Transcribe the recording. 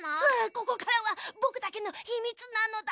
ここからはぼくだけのひみつなのだ！